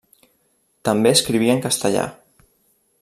També escriví en castellà.